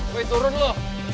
boy turun lu